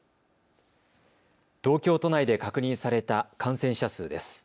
東京都内で確認された感染者数です。